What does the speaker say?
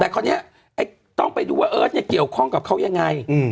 แต่คราวนี้ต้องไปดูว่าเอิร์ทเนี่ยเกี่ยวข้องกับเขายังไง